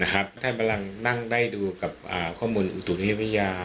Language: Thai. ถ้าเธอพักนั่งได้ดูกับข้อมูลอูตุธุเยี่ยมพิวเยียม